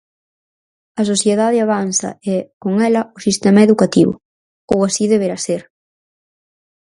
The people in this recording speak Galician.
A sociedade avanza e, con ela o sistema educativo, ou así debera ser.